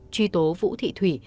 chuy tố vũ thị thủy